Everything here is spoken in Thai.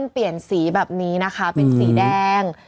เปลี่ยนสีแบบนี้นะคะเป็นสีแดง